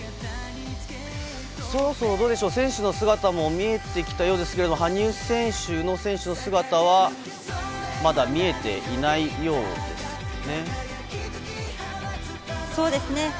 そろそろ選手の姿も見えてきたようですけど羽生選手の姿はまだ見えていないようですね。